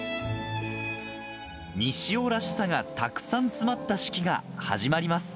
西尾らしさがたくさん詰まった式が始まります。